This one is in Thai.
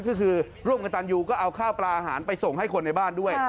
ก็คือร่วมกับตันยูก็เอาข้าวปลาอาหารไปส่งให้คนในบ้านด้วย